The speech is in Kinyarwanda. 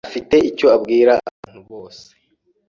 afite icyo abwira abantu bose.